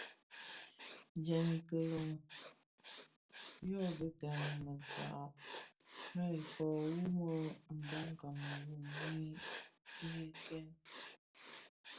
Djèm i kilōň yodhi gaň i merad më ikō wu muu mbam kameru nyi yëkèn.